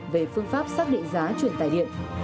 về phương pháp xác định giá truyền tài điện